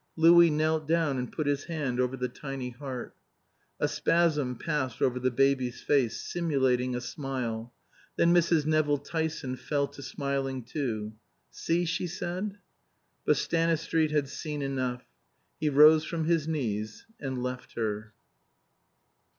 Louis knelt down and put his hand over the tiny heart. A spasm passed over the baby's face, simulating a smile. Then Mrs. Nevill Tyson fell to smiling too. "See" she said. But Stanistreet had seen enough. He rose from his knees and left her.